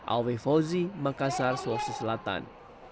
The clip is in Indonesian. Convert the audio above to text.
awe fozi makassar suwosu selatan